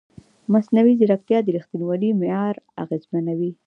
مصنوعي ځیرکتیا د ریښتینولۍ معیار اغېزمنوي.